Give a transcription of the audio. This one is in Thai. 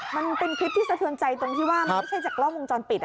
มันเป็นคลิปที่สะเทือนใจตรงที่ว่ามันไม่ใช่จากกล้องวงจรปิด